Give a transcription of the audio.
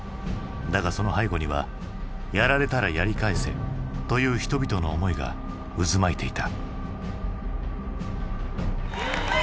だがその背後にはやられたらやり返せという人々の思いが渦巻いていた。